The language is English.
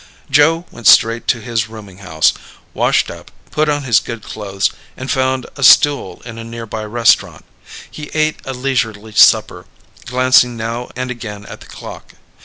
Joe went straight to his rooming house, washed up, put on his good clothes, and found a stool in a nearby restaurant. He ate a leisurely supper, glancing now and again at the clock.